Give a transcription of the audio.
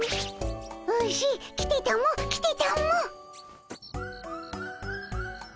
ウシ来てたも来てたもっ！